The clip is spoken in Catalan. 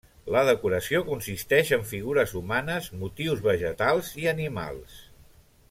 La decoració consisteix en figures humanes, motius vegetals i animals.